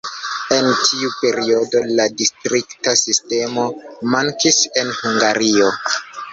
En tiu periodo la distrikta sistemo mankis en Hungario.